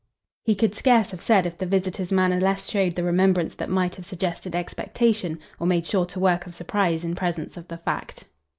He could scarce have said if the visitor's manner less showed the remembrance that might have suggested expectation, or made shorter work of surprise in presence of the fact.